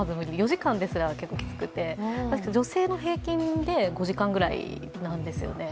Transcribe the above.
４時間ですら結構きつくて、確か、女性の平均で５時間くらいなんですよね。